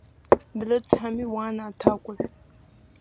Дрыцҳами уан аҭакәажә?!